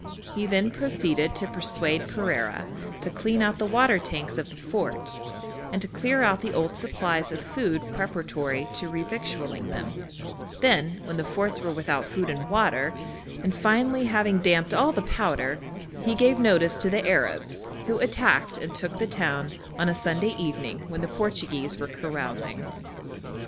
He then proceeded to persuade Pereira to clean out the water tanks of the fort, and to clear out the old supplies of food preparatory to revictualling them; then, when the forts were without food and water, and finally having damped all the powder, he gave notice to the Arabs, who attacked and took the town on a Sunday evening, when the Portuguese were carousing.